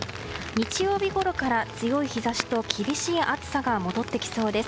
日曜日ごろから強い日差しと厳しい暑さが戻ってきそうです。